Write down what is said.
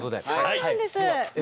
そうなんです。